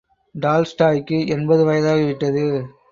டால்ஸ்டாய்க்கு எண்பது வயதாகிவிட்டது.